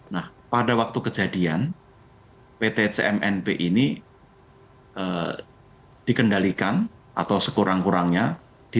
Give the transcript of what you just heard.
nah pada waktu kejadian pt cmnp ini dikendalikan atau sekurang kurangnya